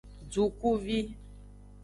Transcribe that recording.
Dukuvi.